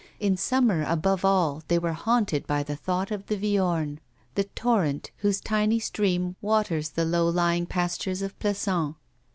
In summer, above all, they were haunted by the thought of the Viorne, the torrent, whose tiny stream waters the low lying pastures of Plassans.